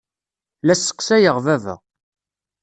La sseqsayeɣ baba.